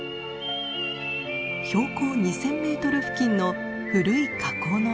標高２，０００メートル付近の古い火口の跡。